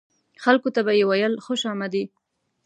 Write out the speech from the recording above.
خلکو ته به یې ویل خوش آمدي.